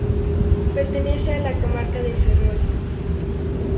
Pertenece a la comarca de Ferrol.